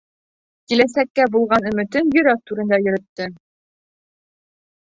Киләсәккә булған өмөтөн йөрәк түрендә йөрөттө.